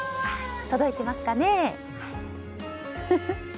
届いてますかね。